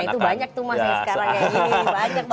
nah itu banyak tuh mas yang sekarang ya ini